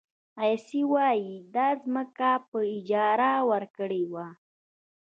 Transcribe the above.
عیسی وایي دا ځمکه په اجاره ورکړې وه.